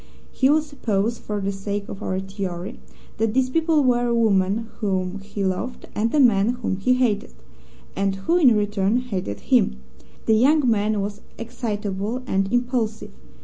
We will suppose for the sake of our theory that these people were a woman whom he loved and a man whom he hated and who in return hated him. The young man was excitable and impulsive.